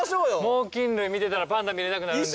猛禽類見てたらパンダ見れなくなるんで。